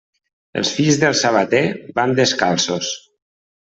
Els fills del sabater van descalços.